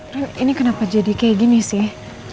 rem ini kenapa jadi kayak gini sih